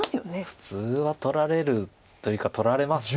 普通は取られるというか取られます。